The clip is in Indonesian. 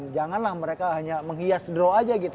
janganlah mereka hanya menghias draw aja gitu